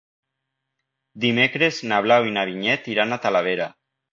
Dimecres na Blau i na Vinyet iran a Talavera.